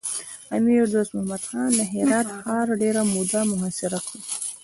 امیر دوست محمد خان د هرات ښار ډېره موده محاصره کړ.